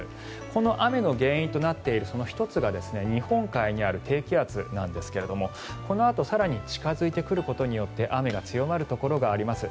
この雨の原因となっているその１つが日本海にある低気圧なんですがこのあと更に近付いてくることで雨が強まるところがあります。